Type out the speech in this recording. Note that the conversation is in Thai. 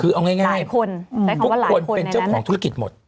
คือเอาง่ายทุกคนเป็นเจ้าของธุรกิจหมด